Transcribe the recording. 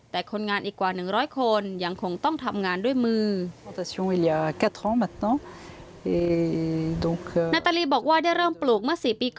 แต่คนงานอีกกว่า๑๐๐คนยังคงต้องทำงานด้วยมือ